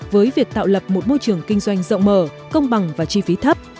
với việc tạo lập một môi trường kinh doanh rộng mở công bằng và chi phí thấp